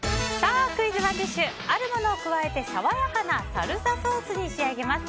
ＯｎｅＤｉｓｈあるものを加えて爽やかなサルサソースに仕上げます。